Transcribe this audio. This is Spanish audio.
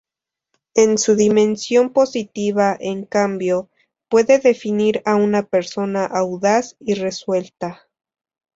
En su dimensión positiva en cambio, puede definir a una persona audaz y resuelta.